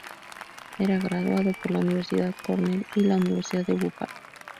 Era graduado por la Universidad Cornell y la Universidad de Búfalo.